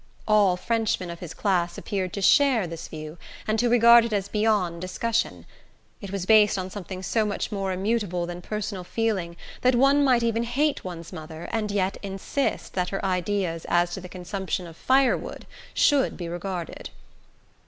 All Frenchmen of his class appeared to share this view, and to regard it as beyond discussion: it was based on something so much more Immutable than personal feeling that one might even hate one's mother and yet insist that her ideas as to the consumption of fire wood should be regarded.